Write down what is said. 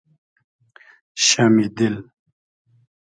شئمی دیل